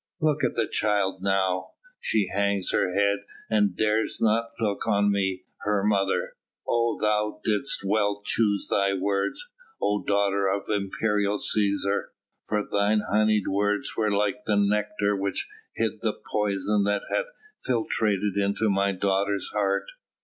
Look at the child now! She hangs her head and dares not look on me, her mother. Oh! thou didst well choose thy words, oh daughter of imperial Cæsar, for thy honeyed words were like the nectar which hid the poison that hath filtrated into my daughter's heart.